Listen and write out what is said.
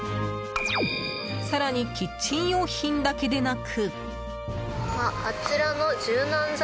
更に、キッチン用品だけでなく。